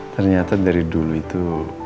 ternyata dari dulu itu